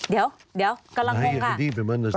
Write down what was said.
เดี๋ยวเดี๋ยวกำลังพูดค่ะ